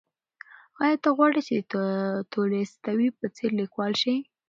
ایا ته غواړې چې د تولستوی په څېر لیکوال شې؟